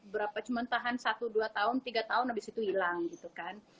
berapa cuma tahan satu dua tahun tiga tahun abis itu hilang gitu kan